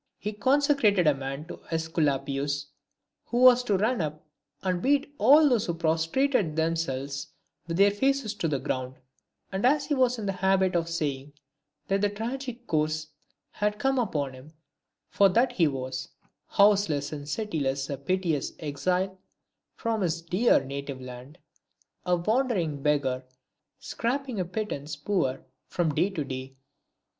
He consecrated a man to ^Esculapius, who was to ran up and beat all these who prostrated themselves with their faces to the ground : and he was in the habit of saying that the tragic curse had come upon him, for that he was — Houseless and citiless, a piteous exile From his dear native land ; a wandering beggar, Scraping a pittance poor from day to day.